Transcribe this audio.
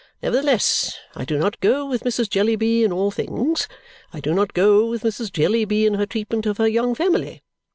Nevertheless, I do not go with Mrs. Jellyby in all things. I do not go with Mrs. Jellyby in her treatment of her young family.